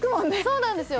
そうなんですよ